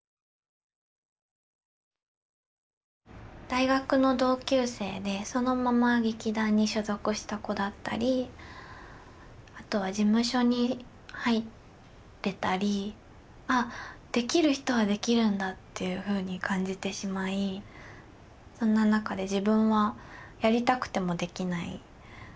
大学の同級生でそのまま劇団に所属した子だったりあとは事務所に入ってたり「あできる人はできるんだ」っていうふうに感じてしまいそんな中で自分はやりたくてもできない。